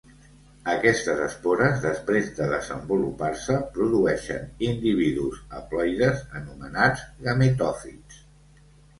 Aquestes espores, després de desenvolupar-se, produeixen individus haploides, anomenats gametòfits.